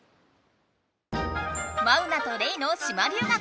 マウナとレイの島留学。